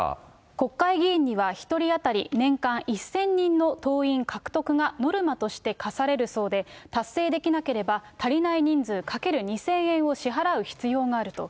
国会議員には、１人当たり年間１０００人の党員獲得がノルマとして課されるそうで、達成できなければ、足りない人数かける２０００円を支払う必要があると。